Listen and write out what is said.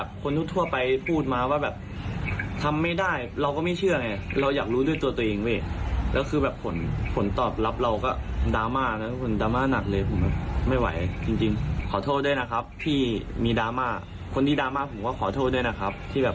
ดูเขาหน่อยก็แล้วกันฮะ